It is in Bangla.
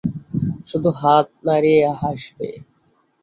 শুধু হাত নাড়িয়ে হাসবে।